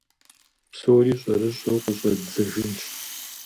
Псори щӀэрыщӀэу къыщӀэддзэжынщ…